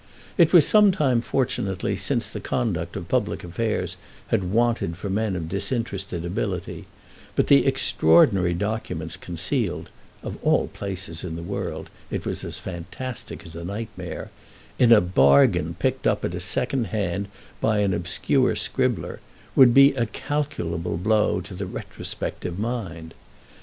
It was some time fortunately since the conduct of public affairs had wanted for men of disinterested ability, but the extraordinary documents concealed (of all places in the world—it was as fantastic as a nightmare) in a "bargain" picked up at second hand by an obscure scribbler, would be a calculable blow to the retrospective mind.